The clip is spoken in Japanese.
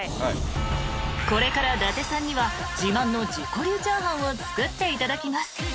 ［これから伊達さんには自慢の自己流チャーハンを作っていただきます］